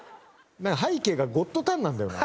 背景が『ゴッドタン』なんだよな。